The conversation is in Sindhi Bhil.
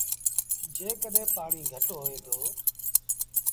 جيڪڏهين پآڻيٚ گھٽ هوئي دو۔